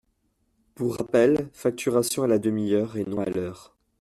Pour rappel, facturation à la demi-heure et non à l’heure.